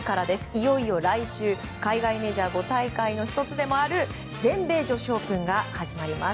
いよいよ来週、海外メジャー五大会の１つでもある全米女子オープンが始まります。